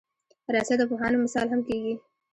رسۍ د پوهانو مثال هم کېږي.